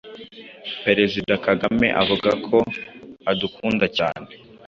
Perezida Kagame avuga ko adukunda cyane